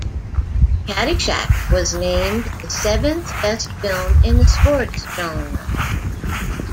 "Caddyshack" was named the seventh-best film in the sports genre.